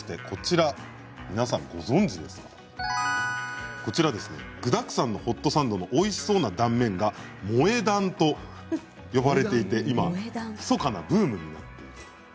皆さん、ご存じですか具だくさんのホットサンドのおいしそうな断面が萌え断と呼ばれていて今ひそかなブームになっています。